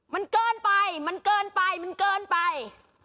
มันเกินไปมันเกินไปมันเกินไป